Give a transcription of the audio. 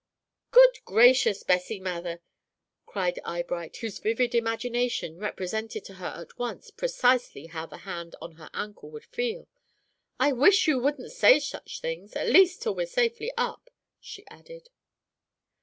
"Good gracious, Bessie Mather!" cried Eyebright, whose vivid imagination represented to her at once precisely how the hand on her ankle would feel, "I wish you wouldn't say such things, at least till we're safely up," she added.